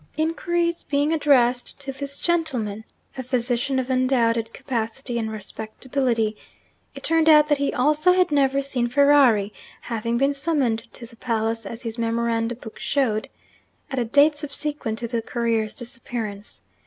Inquiries being addressed to this gentleman (a physician of undoubted capacity and respectability), it turned out that he also had never seen Ferrari, having been summoned to the palace (as his memorandum book showed) at a date subsequent to the courier's disappearance.